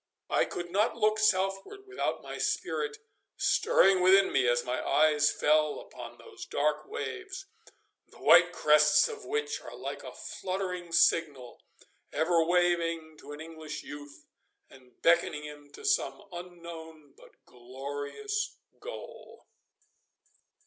I could not look southward without my spirit stirring within me as my eyes fell upon those dark waves, the white crests of which are like a fluttering signal ever waving to an English youth and beckoning him to some unknown but glorious goal.